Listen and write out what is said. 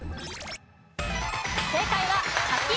正解は柿。